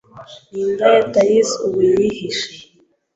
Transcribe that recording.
Nindaya Thais ubu yihishe